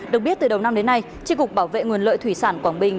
được biết từ đầu năm đến nay tri cục bảo vệ nguồn lợi thủy sản quảng bình